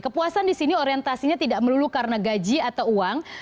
kepuasan di sini orientasinya tidak melulu karena gaji atau uang